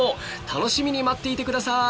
楽しみに待っていてください。